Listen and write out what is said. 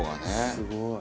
すごいな。